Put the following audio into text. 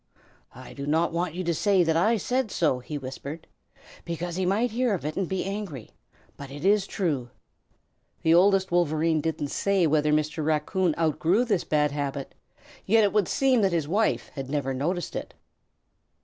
"I do not want you to say that I said so," he whispered, "because he might hear of it and be angry, but it is true." The Oldest Wolverene didn't say whether Mr. Raccoon outgrew this bad habit, yet it would seem that his wife had never noticed it.